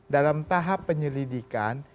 dalam tahap penyelidikan